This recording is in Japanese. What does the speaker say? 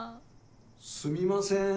・すみません・